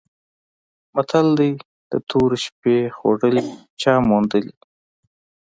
متل دی: د تورې شپې خوړلي چا موندلي؟